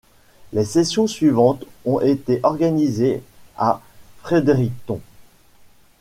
Les sessions suivantes ont été organisées à Fredericton.